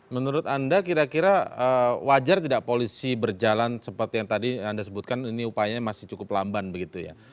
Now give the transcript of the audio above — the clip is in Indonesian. menurut anda kira kira wajar tidak polisi berjalan seperti yang tadi anda sebutkan ini upayanya masih cukup lamban begitu ya